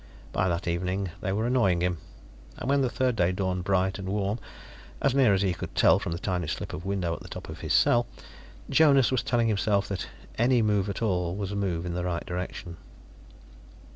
By that evening, they were annoying him, and when the third day dawned bright and warm as near as he could tell from the tiny slip of window at the top of his cell Jonas was telling himself that any move at all was a move in the right direction.